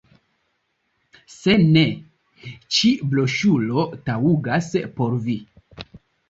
Se ne, ĉi broŝuro taŭgas por vi.